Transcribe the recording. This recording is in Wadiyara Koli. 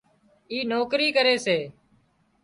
اي نوڪري ڪري سي